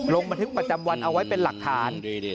ลงบันทึกประจำวันเอาไว้เป็นหลักฐาน